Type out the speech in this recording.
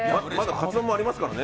カツ丼もありますからね。